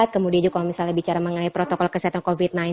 kemudian juga misalnya bicara mengenai protokol kesehatan covid sembilan belas